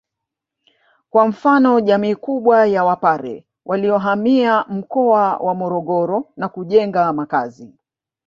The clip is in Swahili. kwa mfano jamii kubwa ya Wapare waliohamia mkoa wa Morogoro na kujenga makazi